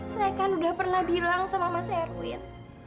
saya kan udah pernah bilang sama mas erwin